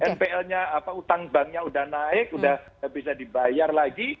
npl nya utang banknya udah naik udah bisa dibayar lagi